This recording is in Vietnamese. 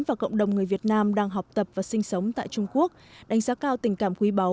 và cộng đồng người việt nam đang học tập và sinh sống tại trung quốc đánh giá cao tình cảm quý báu